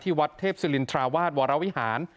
ที่วัดเทพศริลส์ธราวาสวรวิหาร